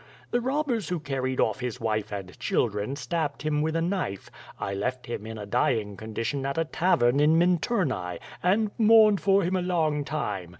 The robbers who carried off his wife and children stab bed him with a knife. I left him in a dying condition at a tavern in Minturnae, and mourned for him a long time.